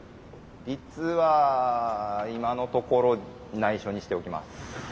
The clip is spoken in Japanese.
率は今のところないしょにしておきます。